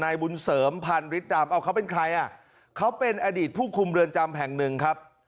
บุญเสริมพันฤทธิดำเอาเขาเป็นใครอ่ะเขาเป็นอดีตผู้คุมเรือนจำแห่งหนึ่งครับ